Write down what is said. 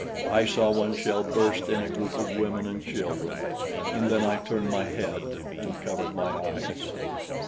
I saw one shell burst in a group of women and children, and then I turned my head and covered my eyes.